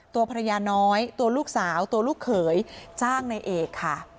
ตัวภรรยาน้อยตัวลูกสาวตัวลูกเขยจ้างในเอกค่ะ